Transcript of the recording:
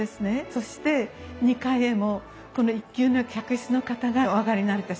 そして２階へもこの１級の客室の方がお上がりになれた仕組みになってました。